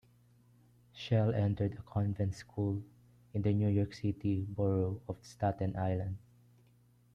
Schell entered a convent school in the New York City borough of Staten Island.